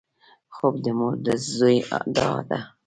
خوب د مور د زوی دعا ده